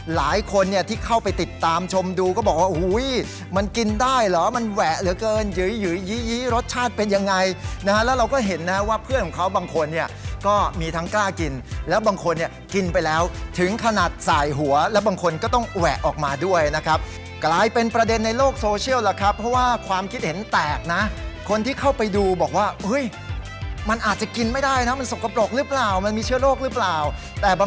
หลายคนเนี้ยที่เข้าไปติดตามชมดูก็บอกว่าอุ้ยมันกินได้เหรอมันแหวะเหลือเกินหยือหยือหยี่หยี่รสชาติเป็นยังไงนะฮะแล้วเราก็เห็นนะว่าเพื่อนของเขาบางคนเนี้ยก็มีทั้งกล้ากินแล้วบางคนเนี้ยกินไปแล้วถึงขนาดสายหัวแล้วบางคนก็ต้องแหวะออกมาด้วยนะครับกลายเป็นประเด็นในโลกโซเชียลแหละครับเพราะว่า